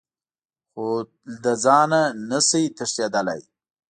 خو له ځانه نه شئ تښتېدلی .